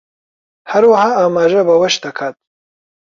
هەروەها ئاماژە بەوەش دەکات